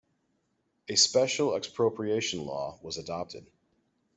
A special expropriation law was adopted.